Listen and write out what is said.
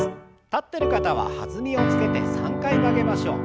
立ってる方は弾みをつけて３回曲げましょう。